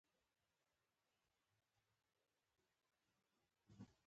د زخم د وینې لپاره کوم ضماد وکاروم؟